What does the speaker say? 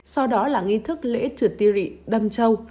sau đó là nghi thức lễ trượt tì rị đâm trâu